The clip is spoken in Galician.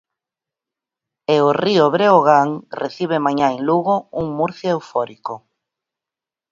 E o Río Breogán recibe mañá en Lugo un Murcia eufórico.